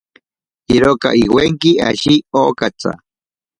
Iroka iwenki ashi okatsa.